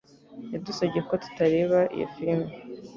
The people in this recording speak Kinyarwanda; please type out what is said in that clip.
yadusabye ko tutareba iyo firime.